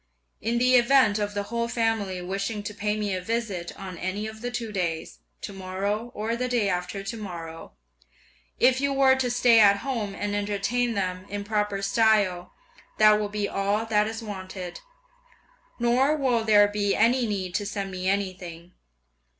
In the event of the whole family wishing to pay me a visit on any of the two days, to morrow or the day after to morrow, if you were to stay at home and entertain them in proper style, that will be all that is wanted; nor will there be any need to send me anything!